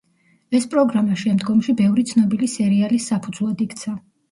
ეს პროგრამა შემდგომში ბევრი ცნობილი სერიალის საფუძვლად იქცა.